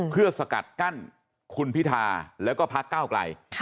เพื่อสกัดกั้นคุณพิธาแล้วก็พักก้าวไกล